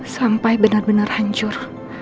sampai bener bener hancur